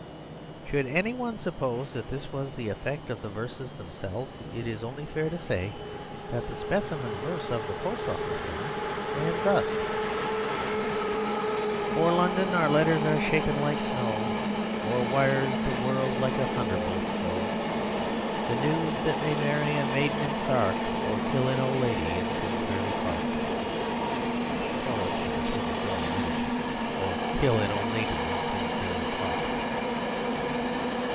Should any one suppose that this was the effect of the verses themselves, it is only fair to say that the specimen verse of the Post Office Hymn ran thus: "O'er London our letters are shaken like snow, Our wires o'er the world like the thunderbolts go. The news that may marry a maiden in Sark, Or kill an old lady in Finsbury Park." Chorus (with a swing of joy and energy): "Or kill an old lady in Finsbury Park."